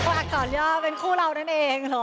เพราะอักษรย่อเป็นคู่เรานั่นเองหรอ